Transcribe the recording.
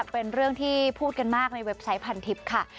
เป็นเรื่องที่พูดกันมากในเว็บไซต์พันทิพย์ค่ะ